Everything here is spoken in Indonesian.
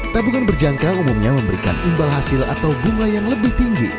tabungan berjangka umumnya memberikan imbal hasil atau bunga yang lebih tinggi